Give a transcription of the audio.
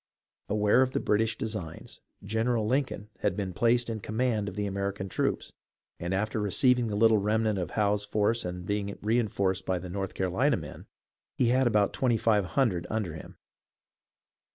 Aware of the British designs. General Lincoln had been placed in command of the American troops, and after receiving the little remnant of Howe's force and being re enforced by the North Carolina men, he had about twenty five hundred under him.